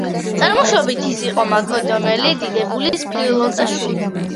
წარმოშობით ის იყო მაკედონელი დიდებულის, ფილოტას შვილი.